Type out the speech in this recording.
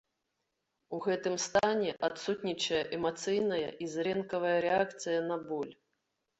У гэтым стане адсутнічае эмацыйная і зрэнкавая рэакцыя на боль.